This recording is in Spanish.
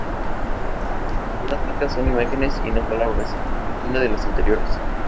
Algunas marcas son imágenes y no palabras, o ninguna de las anteriores.